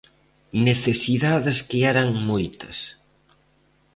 Necesidades que eran moitas.